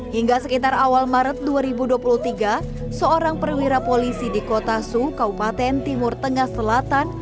hingga sekitar awal maret dua ribu dua puluh tiga seorang perwira polisi di kota su kaupaten timur tengah selatan